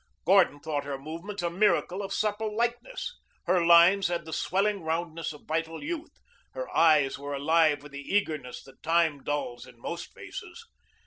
Gordon thought her movements a miracle of supple lightness. Her lines had the swelling roundness of vital youth, her eyes were alive with the eagerness that time dulls in most faces.